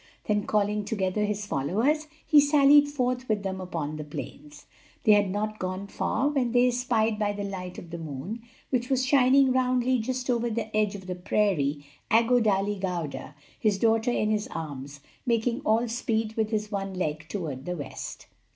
Then calling together his followers, he sallied forth with them upon the plains. They had not gone far when they espied by the light of the moon, which was shining roundly just over the edge of the prairie, Aggo Dali Gauda, his daughter in his arms, making all speed with his one leg toward the west.